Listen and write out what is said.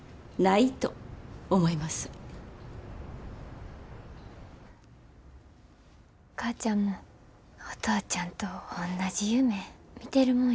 お母ちゃんもお父ちゃんとおんなじ夢みてるもんやと思ってた。